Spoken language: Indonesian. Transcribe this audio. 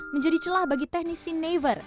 menjadi celah bagi teknisi never